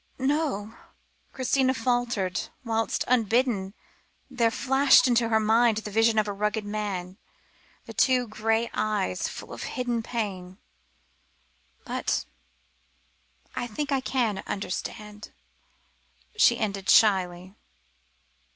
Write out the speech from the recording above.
"No o," Christina faltered, whilst, unbidden, there flashed into her mind the vision of a rugged face, and two grey eyes full of hidden pain, "but I think I can understand," she ended shyly.